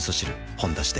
「ほんだし」で